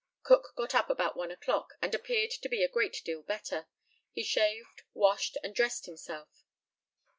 Cook got up about 1 o'clock, and appeared to be a great deal better. He shaved, washed, and dressed himself.